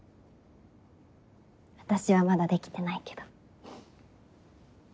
私はまだできてないけど。